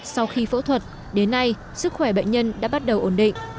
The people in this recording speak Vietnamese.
sau khi phẫu thuật đến nay sức khỏe bệnh nhân đã bắt đầu ổn định